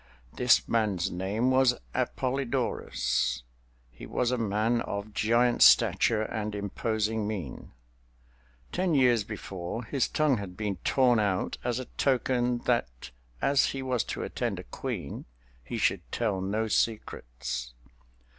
This man's name was Appolidorus. He was a man of giant stature and imposing mien. Ten years before his tongue had been torn out as a token that as he was to attend a queen he should tell no secrets.